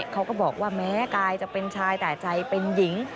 เขาก็บอกว่าแม้กายจะเป็นชายแต่ใจเป็นหญิง